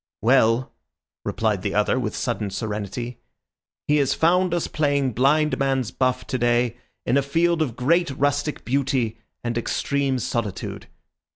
"Well," replied the other with sudden serenity, "he has found us playing blind man's buff today in a field of great rustic beauty and extreme solitude.